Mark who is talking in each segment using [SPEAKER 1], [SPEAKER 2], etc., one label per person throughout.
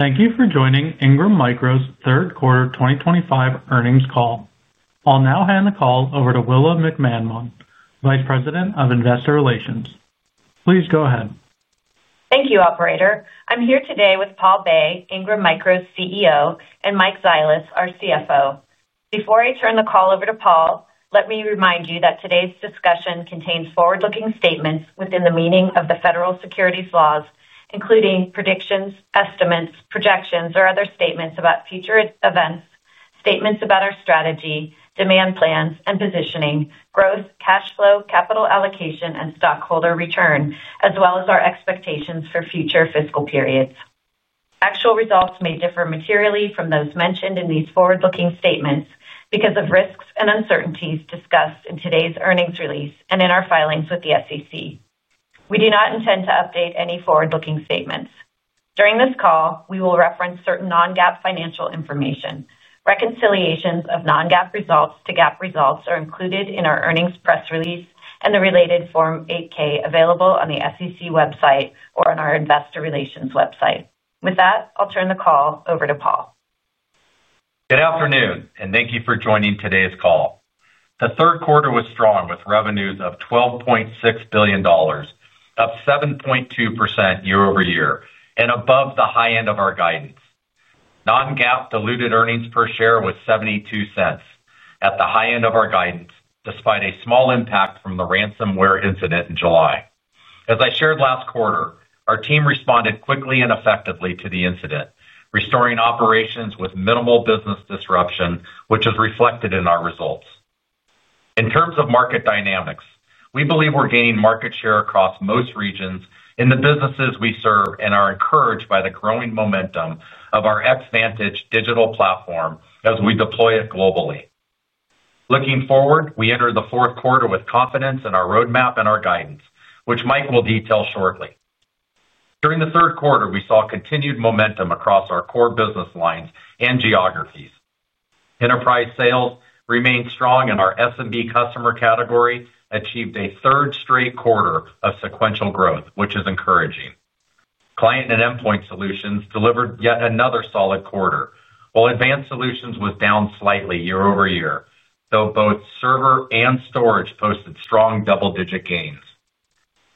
[SPEAKER 1] Thank you for joining Ingram Micro's third quarter 2025 earnings call. I'll now hand the call over to Willa McManmon, Vice President of Investor Relations. Please go ahead.
[SPEAKER 2] Thank you, Operator. I'm here today with Paul Bay, Ingram Micro's CEO, and Mike Zilis, our CFO. Before I turn the call over to Paul, let me remind you that today's discussion contains forward-looking statements within the meaning of the federal securities laws, including predictions, estimates, projections, or other statements about future events, statements about our strategy, demand plans and positioning, growth, cash flow, capital allocation, and stockholder return, as well as our expectations for future fiscal periods. Actual results may differ materially from those mentioned in these forward-looking statements because of risks and uncertainties discussed in today's earnings release and in our filings with the SEC. We do not intend to update any forward-looking statements. During this call, we will reference certain non-GAAP financial information. Reconciliations of non-GAAP results to GAAP results are included in our earnings press release and the related Form 8-K available on the SEC website or on our Investor Relations website. With that, I'll turn the call over to Paul.
[SPEAKER 3] Good afternoon, and thank you for joining today's call. The third quarter was strong with revenues of $12.6 billion, up 7.2% year-over-year and above the high end of our guidance. Non-GAAP diluted earnings per share was $0.72 at the high end of our guidance, despite a small impact from the ransomware incident in July. As I shared last quarter, our team responded quickly and effectively to the incident, restoring operations with minimal business disruption, which is reflected in our results. In terms of market dynamics, we believe we're gaining market share across most regions in the businesses we serve and are encouraged by the growing momentum of our Xvantage digital platform as we deploy it globally. Looking forward, we enter the fourth quarter with confidence in our roadmap and our guidance, which Mike will detail shortly. During the third quarter, we saw continued momentum across our core business lines and geographies. Enterprise sales remained strong in our SMB customer category, achieved a third straight quarter of sequential growth, which is encouraging. Client and endpoint solutions delivered yet another solid quarter, while Advanced Solutions was down slightly year-over-year, though both server and storage posted strong double-digit gains.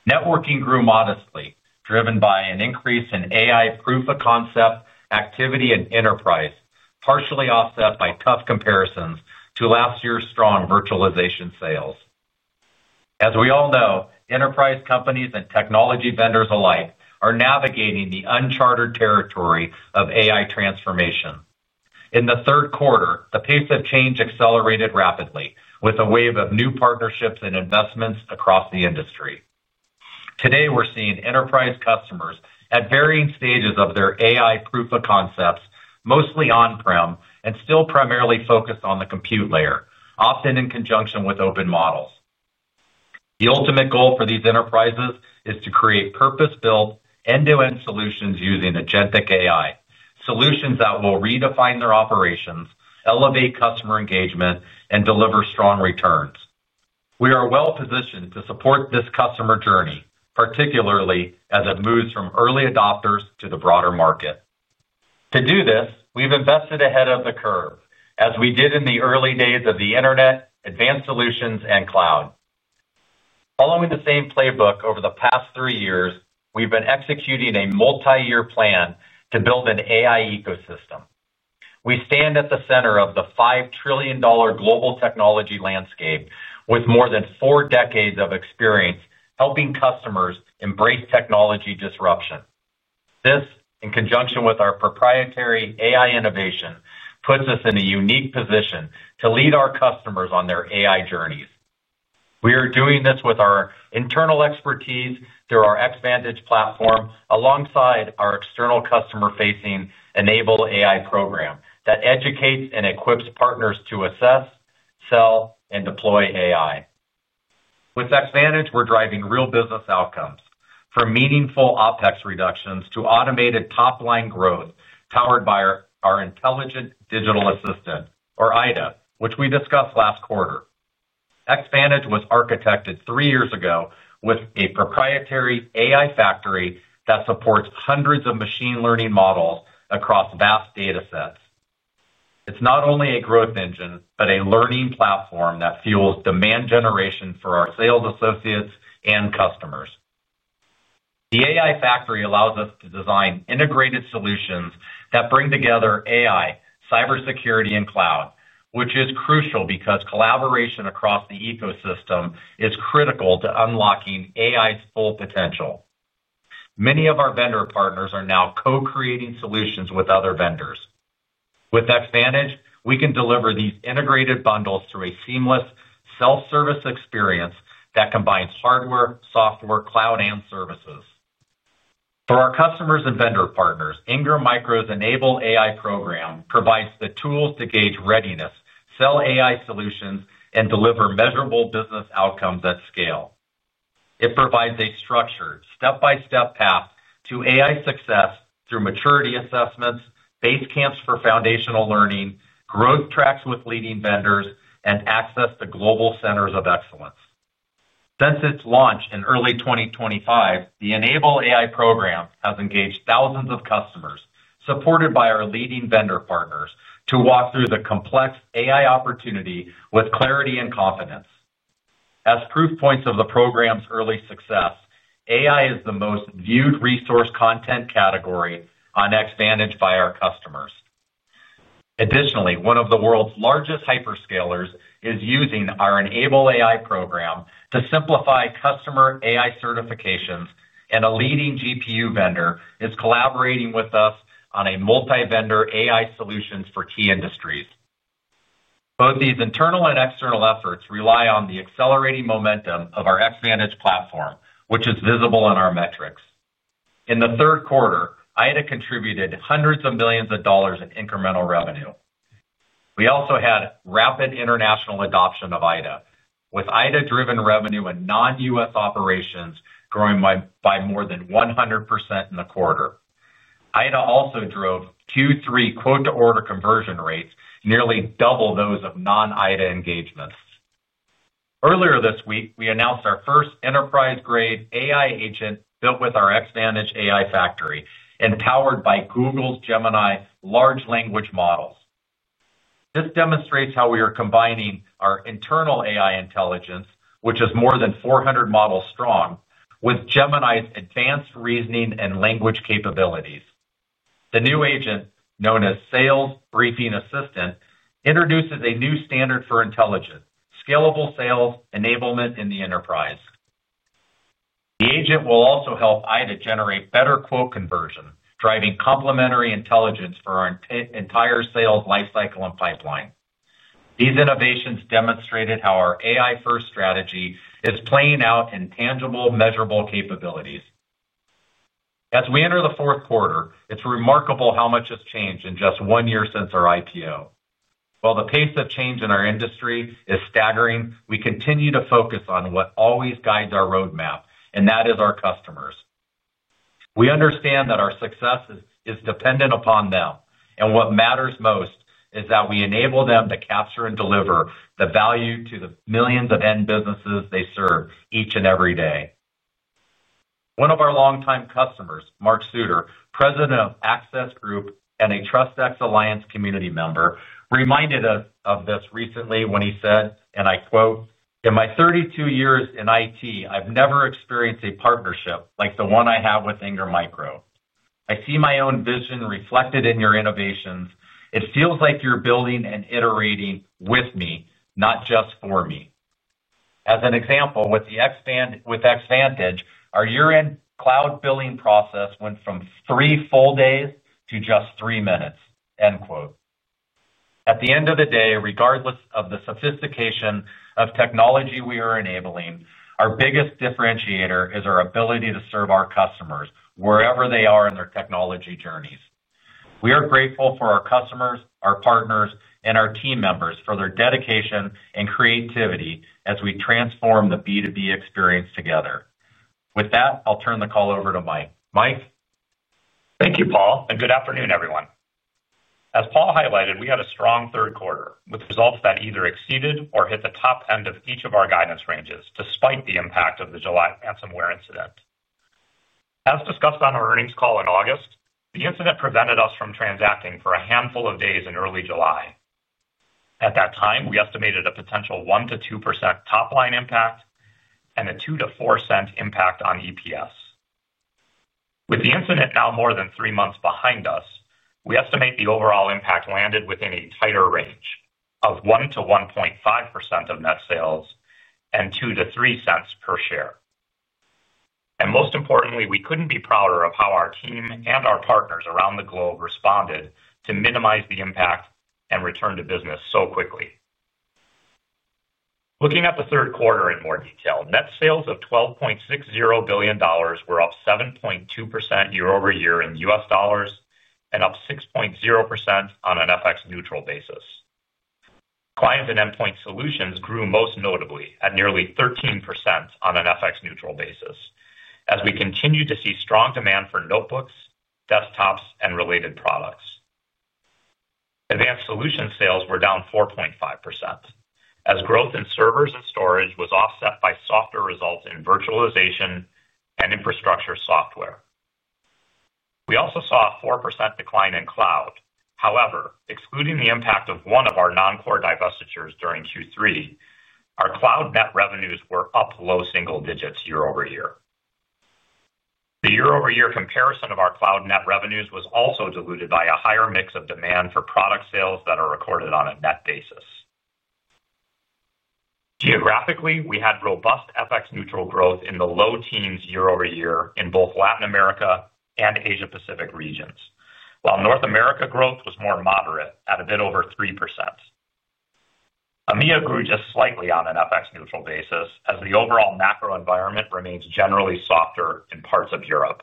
[SPEAKER 3] Networking grew modestly, driven by an increase in AI proof of concept activity in enterprise, partially offset by tough comparisons to last year's strong virtualization sales. As we all know, enterprise companies and technology vendors alike are navigating the unchartered territory of AI transformation. In the third quarter, the pace of change accelerated rapidly, with a wave of new partnerships and investments across the industry. Today, we're seeing enterprise customers at varying stages of their AI proof of concepts, mostly on-prem and still primarily focused on the compute layer, often in conjunction with open models. The ultimate goal for these enterprises is to create purpose-built end-to-end solutions using agentic AI, solutions that will redefine their operations, elevate customer engagement, and deliver strong returns. We are well-positioned to support this customer journey, particularly as it moves from early adopters to the broader market. To do this, we've invested ahead of the curve, as we did in the early days of the internet, advanced solutions, and cloud. Following the same playbook over the past three years, we've been executing a multi-year plan to build an AI ecosystem. We stand at the center of the $5 trillion global technology landscape, with more than four decades of experience helping customers embrace technology disruption. This, in conjunction with our proprietary AI innovation, puts us in a unique position to lead our customers on their AI journeys. We are doing this with our internal expertise through our Xvantage platform, alongside our external customer-facing Enable AI program that educates and equips partners to assess, sell, and deploy AI. With Xvantage, we're driving real business outcomes, from meaningful operating expense reductions to automated top-line growth powered by our intelligent digital assistant, or IDA, which we discussed last quarter. Xvantage was architected three years ago with a proprietary AI factory that supports hundreds of machine learning models across vast datasets. It's not only a growth engine, but a learning platform that fuels demand generation for our sales associates and customers. The AI factory allows us to design integrated solutions that bring together AI, cybersecurity, and cloud, which is crucial because collaboration across the ecosystem is critical to unlocking AI's full potential. Many of our vendor partners are now co-creating solutions with other vendors. With Xvantage, we can deliver these integrated bundles through a seamless self-service experience that combines hardware, software, cloud, and services. For our customers and vendor partners, Ingram Micro's Enable AI program provides the tools to gauge readiness, sell AI solutions, and deliver measurable business outcomes at scale. It provides a structured, step-by-step path to AI success through maturity assessments, base camps for foundational learning, growth tracks with leading vendors, and access to global centers of excellence. Since its launch in early 2025, the Enable AI program has engaged thousands of customers, supported by our leading vendor partners, to walk through the complex AI opportunity with clarity and confidence. As proof points of the program's early success, AI is the most viewed resource content category on Xvantage by our customers. Additionally, one of the world's largest hyperscalers is using our Enable AI program to simplify customer AI certifications, and a leading GPU vendor is collaborating with us on a multi-vendor AI solution for key industries. Both these internal and external efforts rely on the accelerating momentum of our Xvantage platform, which is visible in our metrics. In the third quarter, IDA contributed hundreds of millions of dollars in incremental revenue. We also had rapid international adoption of IDA, with IDA-driven revenue in non-U.S. operations growing by more than 100% in the quarter. IDA also drove Q3 quote-to-order conversion rates, nearly double those of non-IDA engagements. Earlier this week, we announced our first enterprise-grade AI agent built with our Xvantage AI factory, empowered by Google's Gemini large language models. This demonstrates how we are combining our internal AI intelligence, which is more than 400 models strong, with Gemini's advanced reasoning and language capabilities. The new agent, known as Sales Briefing Assistant, introduces a new standard for intelligence: scalable sales enablement in the enterprise. The agent will also help IDA generate better quote conversion, driving complementary intelligence for our entire sales lifecycle and pipeline. These innovations demonstrated how our AI-first strategy is playing out in tangible, measurable capabilities. As we enter the fourth quarter, it's remarkable how much has changed in just one year since our IPO. While the pace of change in our industry is staggering, we continue to focus on what always guides our roadmap, and that is our customers. We understand that our success is dependent upon them, and what matters most is that we enable them to capture and deliver the value to the millions of end businesses they serve each and every day. One of our longtime customers, Mark Sutor, President of Access Group and a Trust X Alliance community member, reminded us of this recently when he said, and I quote, "In my 32 years in IT, I've never experienced a partnership like the one I have with Ingram Micro. I see my own vision reflected in your innovations. It feels like you're building and iterating with me, not just for me." As an example, with Xvantage, our year-end cloud billing process went from three full days to just three minutes." At the end of the day, regardless of the sophistication of technology we are enabling, our biggest differentiator is our ability to serve our customers wherever they are in their technology journeys. We are grateful for our customers, our partners, and our team members for their dedication and creativity as we transform the B2B experience together. With that, I'll turn the call over to Mike. Mike.
[SPEAKER 4] Thank you, Paul, and good afternoon, everyone. As Paul highlighted, we had a strong third quarter with results that either exceeded or hit the top end of each of our guidance ranges, despite the impact of the July ransomware incident. As discussed on our earnings call in August, the incident prevented us from transacting for a handful of days in early July. At that time, we estimated a potential 1%-2% top-line impact and a 2%-4% impact on EPS. With the incident now more than three months behind us, we estimate the overall impact landed within a tighter range of 1%-1.5% of net sales and $0.02-$0.03 per share. Most importantly, we couldn't be prouder of how our team and our partners around the globe responded to minimize the impact and return to business so quickly. Looking at the third quarter in more detail, net sales of $12.60 billion were up 7.2% year-over-year in U.S. dollars and up 6.0% on an FX-neutral basis. Client and endpoint solutions grew most notably at nearly 13% on an FX-neutral basis, as we continued to see strong demand for notebooks, desktops, and related products. Advanced Solutions sales were down 4.5%, as growth in servers and storage was offset by softer results in virtualization and infrastructure software. We also saw a 4% decline in cloud. However, excluding the impact of one of our non-core divestitures during Q3, our cloud net revenues were up low single digits year-over-year. The year-over-year comparison of our cloud net revenues was also diluted by a higher mix of demand for product sales that are recorded on a net basis. Geographically, we had robust FX-neutral growth in the low teens year-over-year in both Latin America and Asia-Pacific regions, while North America growth was more moderate at a bit over 3%. EMEA grew just slightly on an FX-neutral basis, as the overall macro environment remains generally softer in parts of Europe.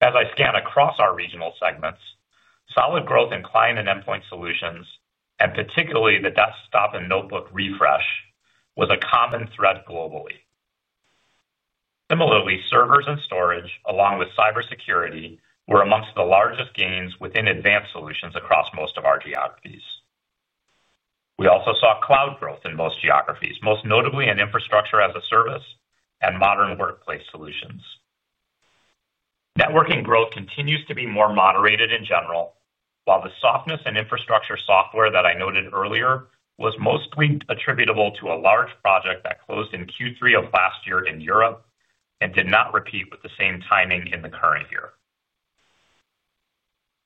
[SPEAKER 4] As I scan across our regional segments, solid growth in client and endpoint solutions, and particularly the desktop and notebook refresh, was a common thread globally. Similarly, servers and storage, along with cybersecurity, were amongst the largest gains within Advanced Solutions across most of our geographies. We also saw cloud growth in most geographies, most notably in infrastructure as a service and modern workplace solutions. Networking growth continues to be more moderated in general, while the softness in infrastructure software that I noted earlier was mostly attributable to a large project that closed in Q3 of last year in Europe and did not repeat with the same timing in the current year.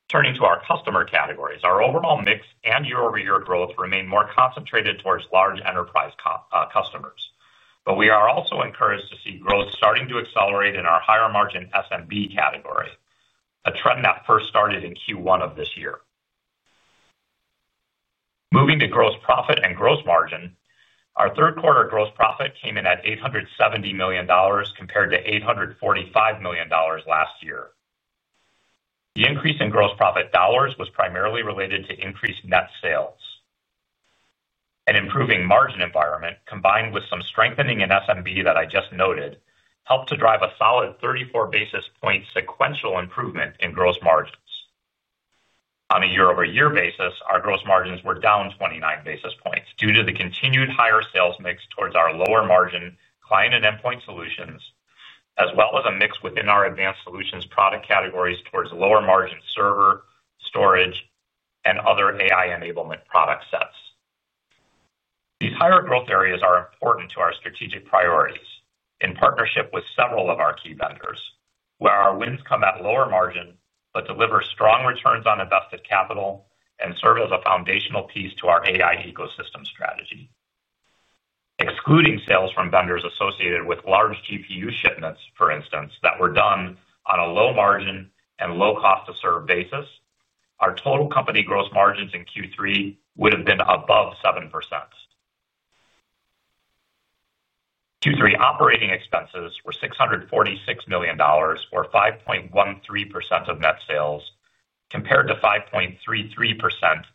[SPEAKER 4] Turning to our customer categories, our overall mix and year-over-year growth remain more concentrated towards large enterprise customers, but we are also encouraged to see growth starting to accelerate in our higher margin SMB category, a trend that first started in Q1 of this year. Moving to gross profit and gross margin, our third quarter gross profit came in at $870 million compared to $845 million last year. The increase in gross profit dollars was primarily related to increased net sales. An improving margin environment, combined with some strengthening in SMB that I just noted, helped to drive a solid 34 basis point sequential improvement in gross margins. On a year-over-year basis, our gross margins were down 29 basis points due to the continued higher sales mix towards our lower margin client and endpoint solutions, as well as a mix within our Advanced Solutions product categories towards lower margin server, storage, and other AI enablement product sets. These higher growth areas are important to our strategic priorities in partnership with several of our key vendors, where our wins come at lower margin but deliver strong returns on invested capital and serve as a foundational piece to our AI ecosystem strategy. Excluding sales from vendors associated with large GPU shipments, for instance, that were done on a low margin and low cost-to-serve basis, our total company gross margins in Q3 would have been above 7%. Q3 operating expenses were $646 million, or 5.13% of net sales, compared to 5.33%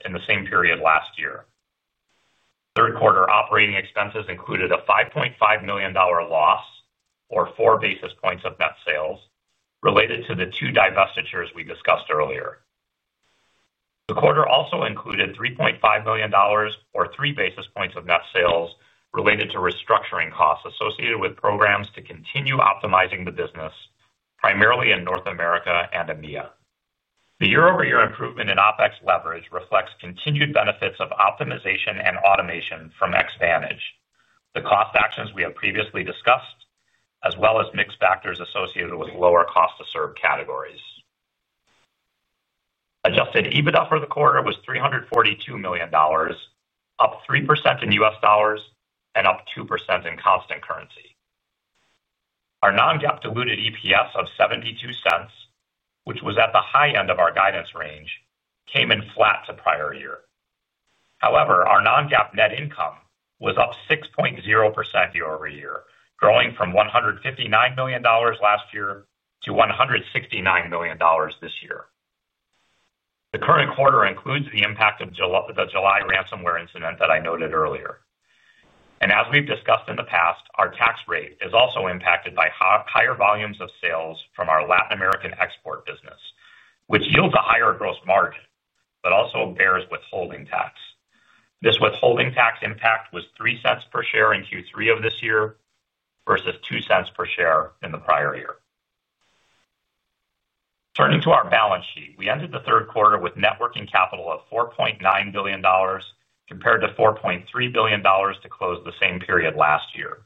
[SPEAKER 4] in the same period last year. Third quarter operating expenses included a $5.5 million loss, or 4 basis points of net sales, related to the two divestitures we discussed earlier. The quarter also included $3.5 million, or 3 basis points of net sales, related to restructuring costs associated with programs to continue optimizing the business, primarily in North America and EMEA. The year-over-year improvement in operating expenses leverage reflects continued benefits of optimization and automation from Xvantage, the cost actions we have previously discussed, as well as mixed factors associated with lower cost-to-serve categories. Adjusted EBITDA for the quarter was $342 million, up 3% in U.S. Dollars and up 2% in constant currency. Our non-GAAP diluted EPS of $0.72, which was at the high end of our guidance range, came in flat to prior year. However, our non-GAAP net income was up 6.0% year-over-year, growing from $159 million last year to $169 million this year. The current quarter includes the impact of the July ransomware incident that I noted earlier. As we've discussed in the past, our tax rate is also impacted by higher volumes of sales from our Latin American export business, which yields a higher gross margin, but also bears withholding tax. This withholding tax impact was $0.03 per share in Q3 of this year versus $0.02 per share in the prior year. Turning to our balance sheet, we ended the third quarter with net working capital of $4.9 billion, compared to $4.3 billion to close the same period last year.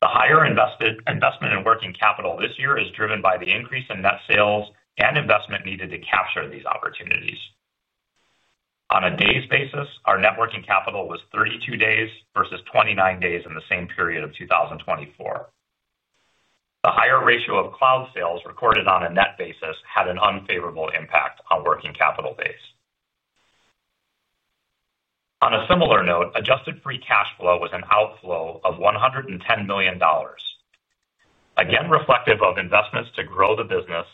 [SPEAKER 4] The higher investment in working capital this year is driven by the increase in net sales and investment needed to capture these opportunities. On a days basis, our net working capital was 32 days versus 29 days in the same period of 2024. The higher ratio of cloud sales recorded on a net basis had an unfavorable impact on working capital base. On a similar note, adjusted free cash flow was an outflow of $110 million, again reflective of investments to grow the business,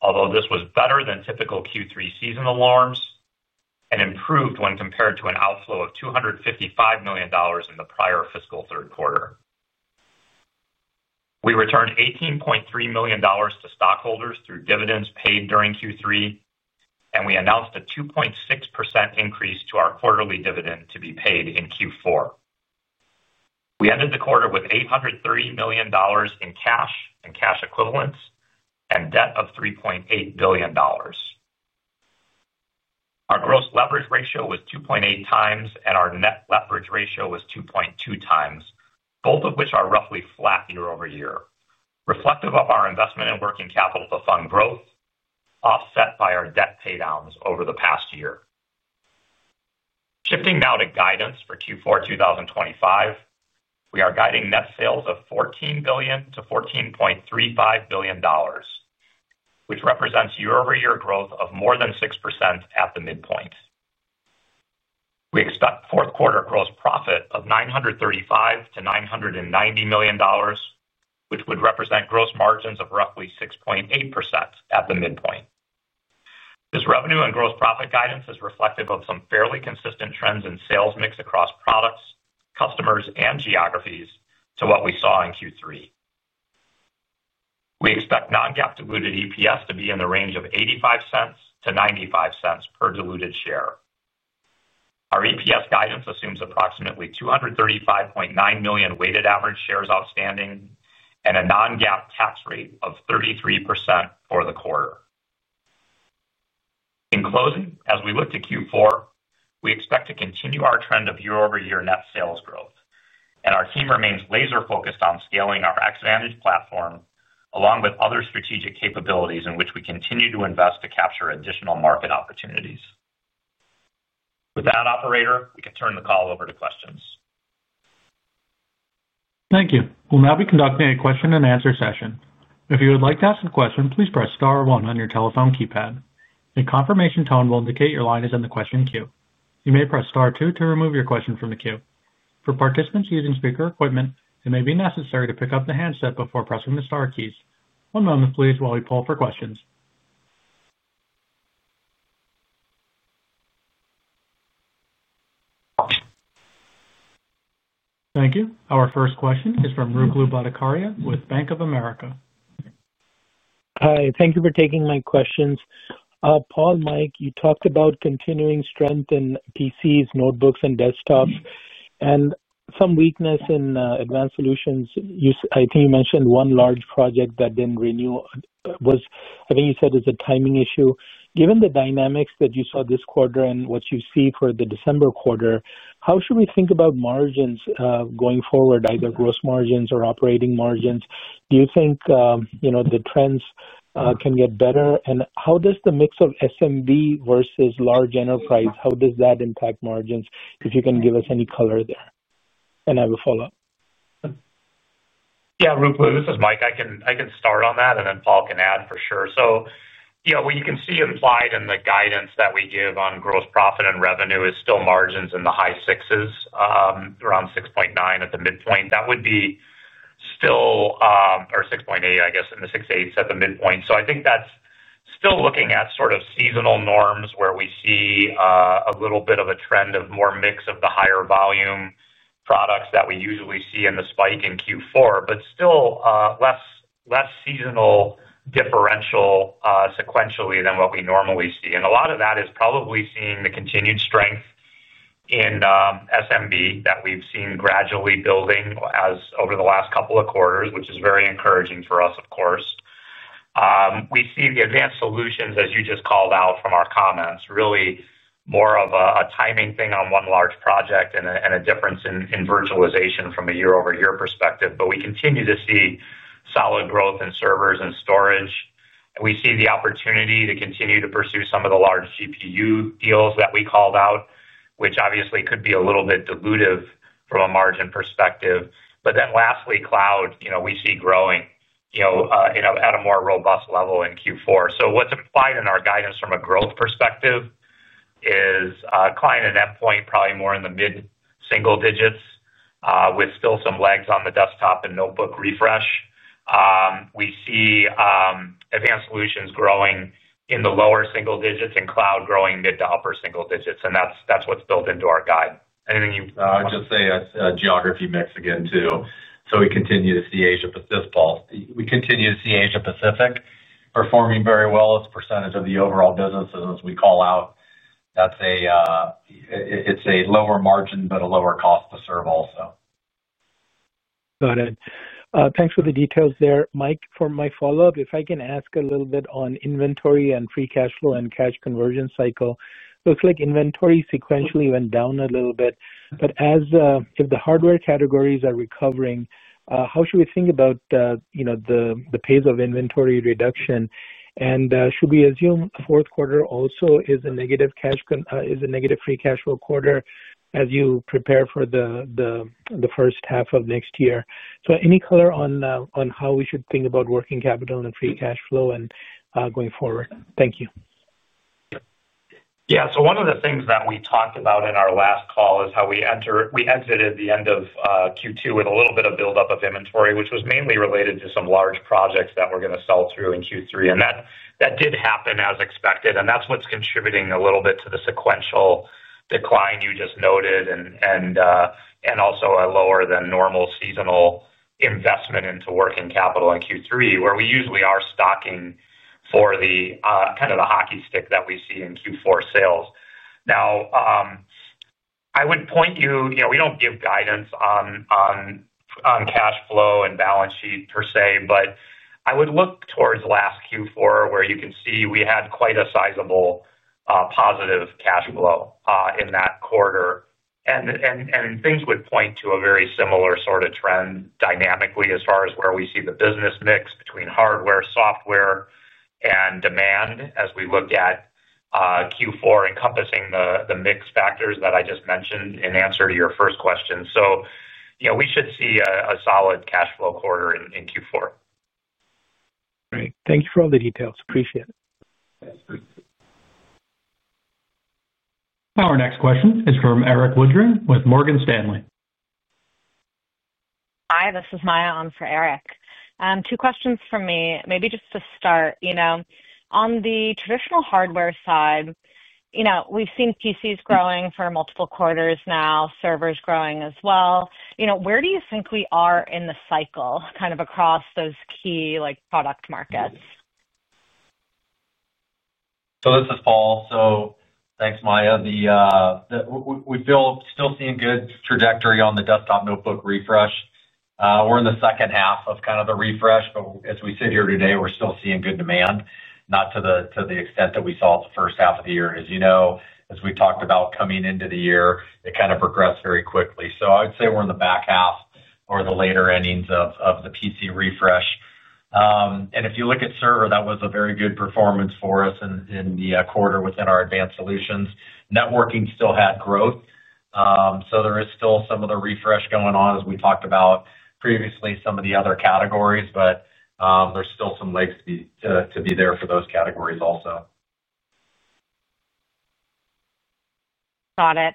[SPEAKER 4] although this was better than typical Q3 seasonal norms and improved when compared to an outflow of $255 million in the prior fiscal third quarter. We returned $18.3 million to stockholders through dividends paid during Q3, and we announced a 2.6% increase to our quarterly dividend to be paid in Q4. We ended the quarter with $830 million in cash and cash equivalents and debt of $3.8 billion. Our gross leverage ratio was 2.8x, and our net leverage ratio was 2.2x, both of which are roughly flat year-over-year, reflective of our investment in working capital to fund growth, offset by our debt paydowns over the past year. Shifting now to guidance for Q4 2025, we are guiding net sales of $14 billion-$14.35 billion, which represents year-over-year growth of more than 6% at the midpoint. We expect fourth quarter gross profit of $935 million-$990 million, which would represent gross margins of roughly 6.8% at the midpoint. This revenue and gross profit guidance is reflective of some fairly consistent trends in sales mix across products, customers, and geographies to what we saw in Q3. We expect non-GAAP diluted EPS to be in the range of $0.85-$0.95 per diluted share. Our EPS guidance assumes approximately 235.9 million weighted average shares outstanding and a non-GAAP tax rate of 33% for the quarter. In closing, as we look to Q4, we expect to continue our trend of year-over-year net sales growth, and our team remains laser-focused on scaling our Xvantage platform, along with other strategic capabilities in which we continue to invest to capture additional market opportunities. With that, Operator, we can turn the call over to questions.
[SPEAKER 1] Thank you. We'll now be conducting a question and answer session. If you would like to ask a question, please press star one on your telephone keypad. A confirmation tone will indicate your line is in the question queue. You may press star two to remove your question from the queue. For participants using speaker equipment, it may be necessary to pick up the handset before pressing the star keys. One moment, please, while we pull for questions. Thank you. Our first question is from Ruplu Bhattacharya with Bank of America.
[SPEAKER 5] Hi. Thank you for taking my questions. Paul and Mike, you talked about continuing strength in PCs, notebooks, and desktops, and some weakness in advanced solutions. I think you mentioned one large project that didn't renew. I think you said it's a timing issue. Given the dynamics that you saw this quarter and what you see for the December quarter, how should we think about margins going forward, either gross margins or operating margins? Do you think the trends can get better? How does the mix of SMB versus large enterprise, how does that impact margins? If you can give us any color there. I have a follow-up.
[SPEAKER 4] Yeah, Ruplu, this is Mike. I can start on that, and then Paul can add for sure. What you can see implied in the guidance that we give on gross profit and revenue is still margins in the high 6s, around 6.9% at the midpoint. That would be still, or 6.8%, I guess, in the 6.8s at the midpoint. I think that's still looking at sort of seasonal norms where we see a little bit of a trend of more mix of the higher volume products that we usually see in the spike in Q4, but still less seasonal differential sequentially than what we normally see. A lot of that is probably seeing the continued strength in SMB that we've seen gradually building over the last couple of quarters, which is very encouraging for us, of course. We see the Advanced Solutions, as you just called out from our comments, really more of a timing thing on one large project and a difference in virtualization from a year-over-year perspective. We continue to see solid growth in servers and storage. We see the opportunity to continue to pursue some of the large GPU deals that we called out, which obviously could be a little bit dilutive from a margin perspective. Lastly, cloud, we see growing at a more robust level in Q4. What's implied in our guidance from a growth perspective is client and endpoint probably more in the mid single digits, with still some legs on the desktop and notebook refresh. We see Advanced Solutions growing in the lower single digits and cloud growing mid to upper single digits. That's what's built into our guide.
[SPEAKER 3] I'll just say a geography mix again too. We continue to see Asia-Pacific, it's Paul. We continue to see Asia-Pacific performing very well as a percentage of the overall businesses. As we call out, it's a lower margin, but a lower cost-to-serve also.
[SPEAKER 5] Got it. Thanks for the details there. Mike, for my follow-up, if I can ask a little bit on inventory and free cash flow and cash conversion cycle, looks like inventory sequentially went down a little bit. If the hardware categories are recovering, how should we think about the pace of inventory reduction? Should we assume the fourth quarter also is a negative free cash flow quarter as you prepare for the first half of next year? Any color on how we should think about working capital and free cash flow going forward? Thank you.
[SPEAKER 4] Yeah. One of the things that we talked about in our last call is how we exited the end of Q2 with a little bit of buildup of inventory, which was mainly related to some large projects that were going to sell through in Q3. That did happen as expected. That's what's contributing a little bit to the sequential decline you just noted, and also a lower than normal seasonal investment into working capital in Q3, where we usually are stocking for kind of the hockey stick that we see in Q4 sales. I would point you, we don't give guidance on cash flow and balance sheet per se, but I would look towards last Q4 where you can see we had quite a sizable positive cash flow in that quarter. Things would point to a very similar sort of trend dynamically as far as where we see the business mix between hardware, software, and demand as we look at Q4, encompassing the mixed factors that I just mentioned in answer to your first question. We should see a solid cash flow quarter in Q4.
[SPEAKER 5] Great. Thank you for all the details. Appreciate it.
[SPEAKER 1] Our next question is from Erik Woodring with Morgan Stanley. Hi, this is Maya. I'm for Erik. Two questions for me, maybe just to start. On the traditional hardware side, we've seen PCs growing for multiple quarters now, servers growing as well. Where do you think we are in the cycle kind of across those key product markets?
[SPEAKER 3] Thank you, Maya. We're still seeing good trajectory on the desktop notebook refresh. We're in the second half of kind of the refresh, but as we sit here today, we're still seeing good demand, not to the extent that we saw at the first half of the year. As you know, as we talked about coming into the year, it kind of progressed very quickly. I would say we're in the back half or the later innings of the PC refresh. If you look at server, that was a very good performance for us in the quarter within our advanced solutions. Networking still had growth. There is still some of the refresh going on, as we talked about previously, some of the other categories, but there's still some legs to be there for those categories also. Got it.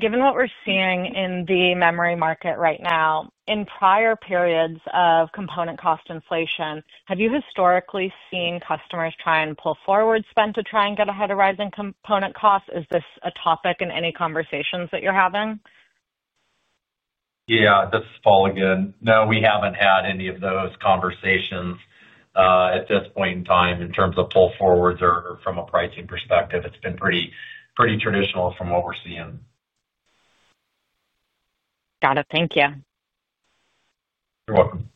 [SPEAKER 3] Given what we're seeing in the memory market right now, in prior periods of component cost inflation, have you historically seen customers try and pull forward spend to try and get ahead of rising component costs? Is this a topic in any conversations that you're having? Yeah. This is Paul again. No, we haven't had any of those conversations. At this point in time, in terms of pull forwards or from a pricing perspective, it's been pretty traditional from what we're seeing. Got it. Thank you. You're welcome.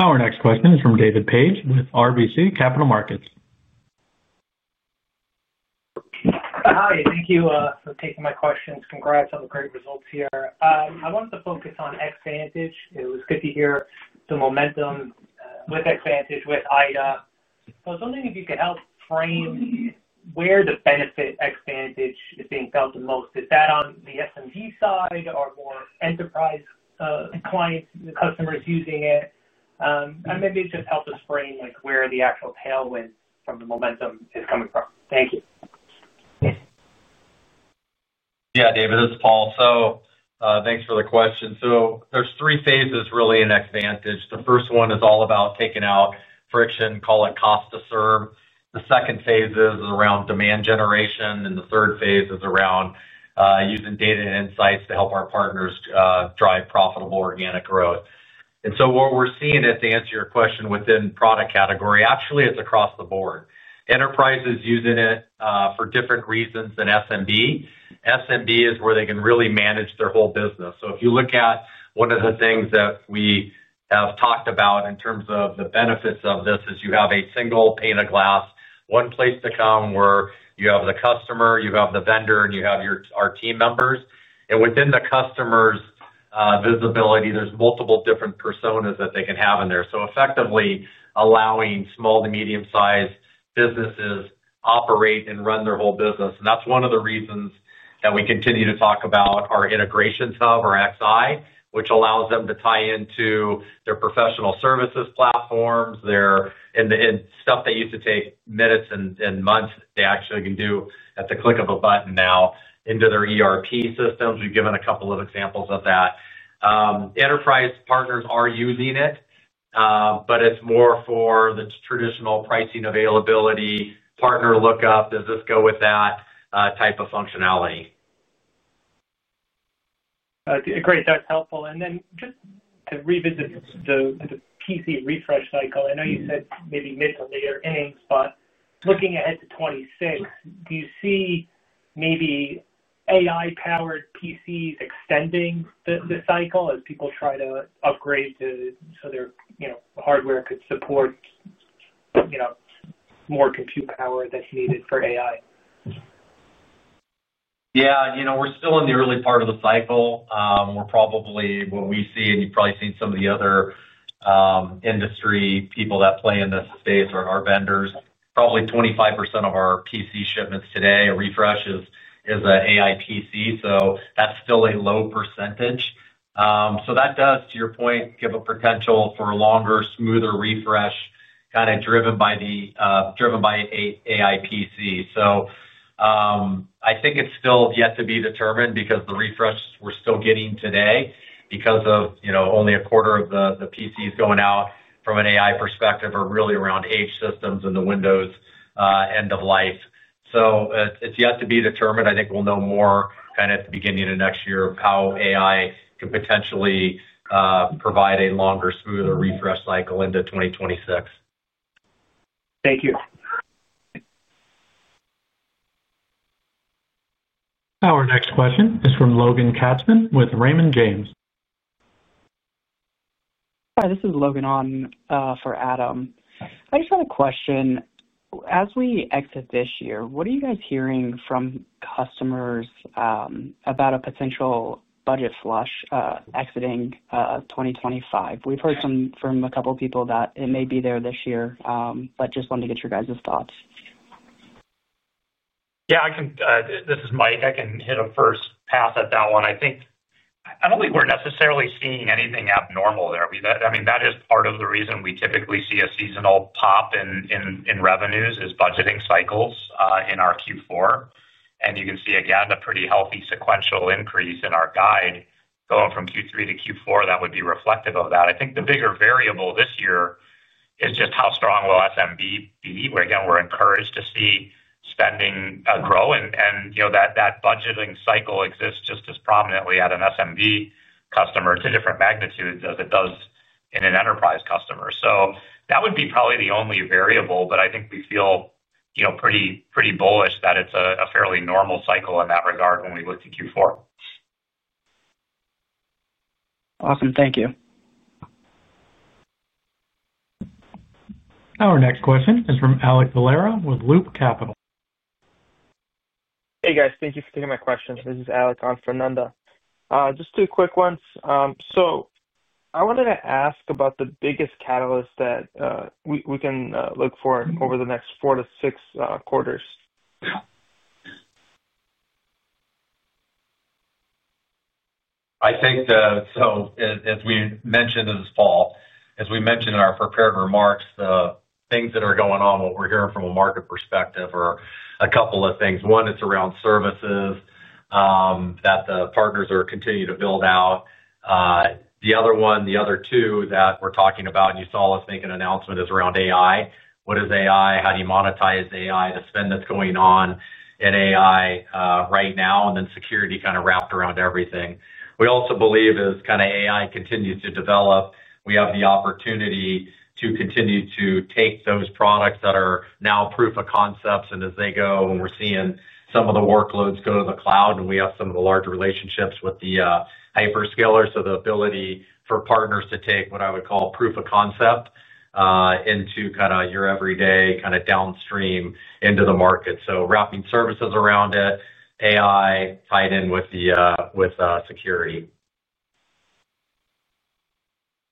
[SPEAKER 1] Our next question is from David Paige with RBC Capital Markets.
[SPEAKER 6] Hi. Thank you for taking my questions. Congrats on the great results here. I wanted to focus on Xvantage. It was good to hear the momentum with Xvantage, with IDA. I was wondering if you could help frame where the benefit Xvantage is being felt the most. Is that on the SMB side or more enterprise clients, customers using it? Maybe just help us frame where the actual tailwind from the momentum is coming from. Thank you.
[SPEAKER 3] Yeah, David, it's Paul. Thanks for the question. There are three phases really in Xvantage. The first one is all about taking out friction, call it cost-to-serve. The second phase is around demand generation, and the third phase is around using data and insights to help our partners drive profitable organic growth. What we're seeing is, to answer your question, within product category, actually, it's across the board. Enterprise is using it for different reasons than SMB. SMB is where they can really manage their whole business. If you look at one of the things that we have talked about in terms of the benefits of this, you have a single pane of glass, one place to come where you have the customer, you have the vendor, and you have our team members. Within the customer's visibility, there are multiple different personas that they can have in there, effectively allowing small to medium-sized businesses to operate and run their whole business. That's one of the reasons that we continue to talk about our integration hub, our XI, which allows them to tie into their professional services platforms. Stuff that used to take minutes and months, they actually can do at the click of a button now into their ERP systems. We've given a couple of examples of that. Enterprise partners are using it, but it's more for the traditional pricing availability, partner lookup, does this go with that type of functionality.
[SPEAKER 6] Great. That's helpful. Just to revisit the PC refresh cycle, I know you said maybe mid to later innings, but looking ahead to 2026, do you see maybe AI-powered PCs extending the cycle as people try to upgrade so their hardware could support more compute power that's needed for AI?
[SPEAKER 3] Yeah. We're still in the early part of the cycle. We're probably what we see, and you've probably seen some of the other industry people that play in this space or our vendors, probably 25% of our PC shipments today or refreshes is an AI PC. That's still a low percentage. That does, to your point, give a potential for a longer, smoother refresh kind of driven by AI PC. I think it's still yet to be determined because the refresh we're still getting today, because only a quarter of the PCs going out from an AI perspective are really around age systems and the Windows end of life. It's yet to be determined. I think we'll know more at the beginning of next year of how AI could potentially provide a longer, smoother refresh cycle into 2026.
[SPEAKER 6] Thank you.
[SPEAKER 1] Our next question is from Logan Katzman with Raymond James.
[SPEAKER 7] Hi, this is Logan on for Adam. I just have a question. As we exit this year, what are you guys hearing from customers about a potential budget flush exiting 2025? We've heard from a couple of people that it may be there this year, but just wanted to get your guys' thoughts.
[SPEAKER 4] Yeah. This is Mike. I can hit a first pass at that one. I don't think we're necessarily seeing anything abnormal there. That is part of the reason we typically see a seasonal pop in revenues is budgeting cycles in our Q4. You can see, again, a pretty healthy sequential increase in our guide going from Q3 to Q4 that would be reflective of that. I think the bigger variable this year is just how strong will SMB be? Again, we're encouraged to see spending grow, and that budgeting cycle exists just as prominently at an SMB customer to different magnitudes as it does in an enterprise customer. That would be probably the only variable, but I think we feel pretty bullish that it's a fairly normal cycle in that regard when we look to Q4.
[SPEAKER 7] Awesome. Thank you.
[SPEAKER 1] Our next question is from Alek Valero with Loop Capital.
[SPEAKER 8] Hey, guys. Thank you for taking my questions. This is Alek on for Fernanda. Just two quick ones. I wanted to ask about the biggest catalyst that we can look for over the next four to six quarters.
[SPEAKER 3] As we mentioned in our prepared remarks, the things that are going on, what we're hearing from a market perspective, are a couple of things. One, it's around services that the partners are continuing to build out. The other two that we're talking about, and you saw us make an announcement, is around AI. What is AI? How do you monetize AI? The spend that's going on in AI right now, and then security kind of wrapped around everything. We also believe as AI continues to develop, we have the opportunity to continue to take those products that are now proof of concepts. As they go, and we're seeing some of the workloads go to the cloud, and we have some of the large relationships with the hyperscalers, the ability for partners to take what I would call proof of concept into your everyday kind of downstream into the market. Wrapping services around it, AI tied in with security.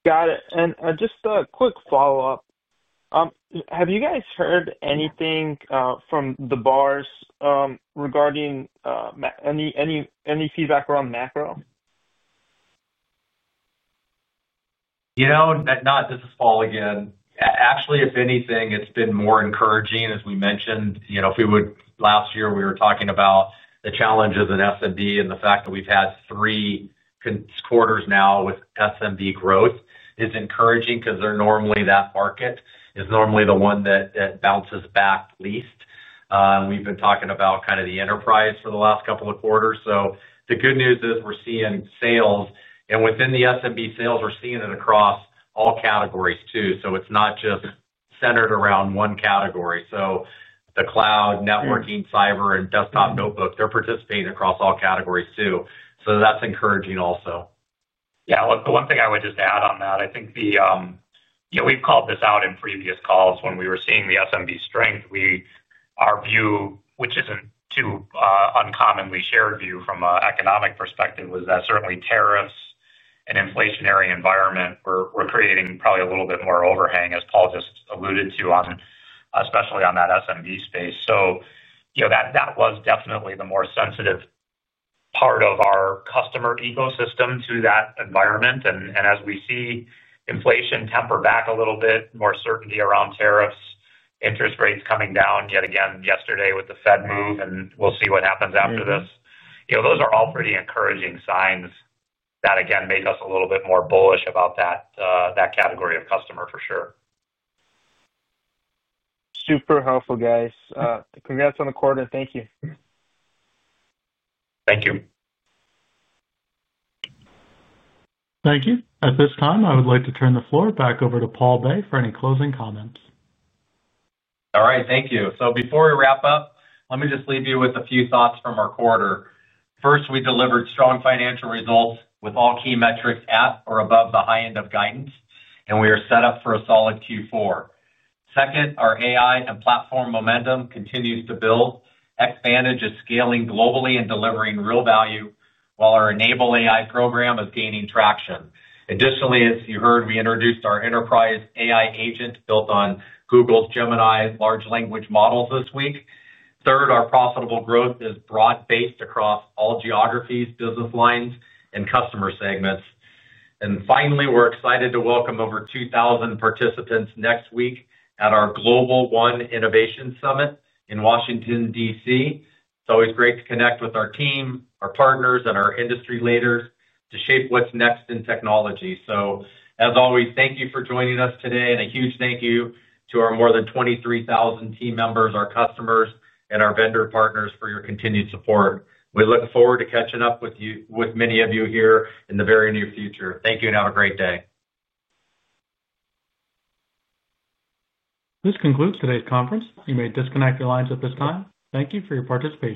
[SPEAKER 8] Got it. Just a quick follow-up. Have you guys heard anything from the VARs regarding any feedback around macro?
[SPEAKER 3] This is Paul again. Actually, if anything, it's been more encouraging, as we mentioned. Last year, we were talking about the challenges in SMB and the fact that we've had three quarters now with SMB growth is encouraging because that market is normally the one that bounces back least. We've been talking about kind of the enterprise for the last couple of quarters. The good news is we're seeing sales. Within the SMB sales, we're seeing it across all categories too. It's not just centered around one category. The cloud, networking, cyber, and desktop notebook, they're participating across all categories too. That's encouraging also.
[SPEAKER 4] The one thing I would just add on that, I think we've called this out in previous calls when we were seeing the SMB strength. Our view, which isn't too uncommonly shared view from an economic perspective, was that certainly tariffs and inflationary environment were creating probably a little bit more overhang, as Paul just alluded to, especially on that SMB space. That was definitely the more sensitive part of our customer ecosystem to that environment. As we see inflation temper back a little bit, more certainty around tariffs, interest rates coming down yet again yesterday with the Fed move, and we'll see what happens after this, those are all pretty encouraging signs that, again, make us a little bit more bullish about that category of customer for sure.
[SPEAKER 8] Super helpful, guys. Congrats on the quarter. Thank you.
[SPEAKER 4] Thank you.
[SPEAKER 1] Thank you. At this time, I would like to turn the floor back over to Paul Bay for any closing comments.
[SPEAKER 3] All right. Thank you. Before we wrap up, let me just leave you with a few thoughts from our quarter. First, we delivered strong financial results with all key metrics at or above the high end of guidance, and we are set up for a solid Q4. Second, our AI and platform momentum continues to build. Xvantage is scaling globally and delivering real value while our Enable AI program is gaining traction. Additionally, as you heard, we introduced our enterprise AI agent built on Google's Gemini large language models this week. Third, our profitable growth is broad-based across all geographies, business lines, and customer segments. Finally, we're excited to welcome over 2,000 participants next week at our Global ONE Innovation Summit in Washington, D.C. It's always great to connect with our team, our partners, and our industry leaders to shape what's next in technology. As always, thank you for joining us today, and a huge thank you to our more than 23,000 team members, our customers, and our vendor partners for your continued support. We look forward to catching up with many of you here in the very near future. Thank you, and have a great day.
[SPEAKER 1] This concludes today's conference. You may disconnect your lines at this time. Thank you for your participation.